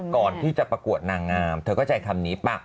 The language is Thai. ก่อนที่จะประกวดนางงามเธอเข้าใจคำนี้ป่ะ